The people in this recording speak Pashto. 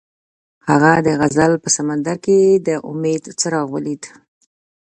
هغه د غزل په سمندر کې د امید څراغ ولید.